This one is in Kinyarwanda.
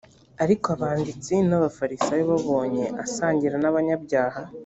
ariko abanditsi n’abafarisayo babonye asangira n’abanyabyaha